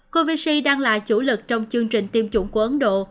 covaxi đang là chủ lực trong chương trình tiêm chủng của ấn độ